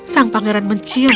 sang pangeran mencium